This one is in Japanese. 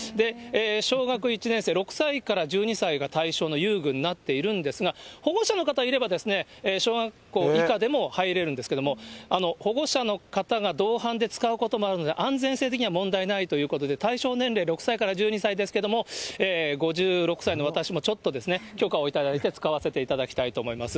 小学１年生６歳から１２歳が対象の遊具になっているんですが、保護者の方がいれば、小学校以下でも入れるんですけども、保護者の方が同伴で使うこともあるので、安全性的には問題ないということで、対象年齢６歳から１２歳ですけども、５６歳の私もちょっと許可を頂いて使わせていただきたいと思います。